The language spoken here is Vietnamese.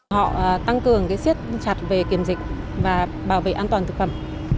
họ tăng cường siết chặt về kiểm dịch và bảo vệ an toàn thực phẩm